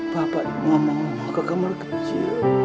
bapak ngomong ke kamar kecil